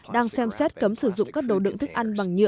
đang xem xét cấm sử dụng các đồ đựng thức ăn bằng nhựa